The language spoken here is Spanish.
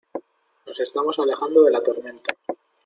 nos estamos alejando de la tormenta.